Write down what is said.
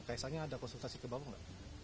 kaisangnya ada konsultasi ke bapak